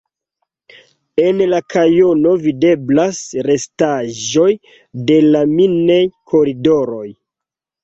En la kanjono videblas restaĵoj de la minej-koridoroj.